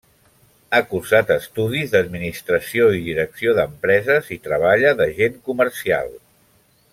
Ha cursat estudis d'Administració i Direcció d'Empreses i treballa d'agent comercial.